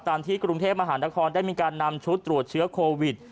ที่กรุงเทพมหานครได้มีการนำชุดตรวจเชื้อโควิด